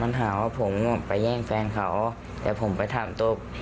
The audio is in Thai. มันหาว่าผมไปแย่งแฟนเขาแต่ผมไปถามตุ๊ก